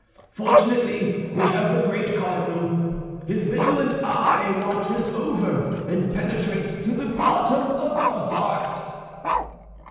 Fortunately we have the great cardinal; his vigilant eye watches over and penetrates to the bottom of the heart."